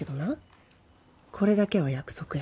これだけは約束や。